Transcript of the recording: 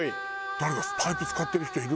誰かパイプ使ってる人いる？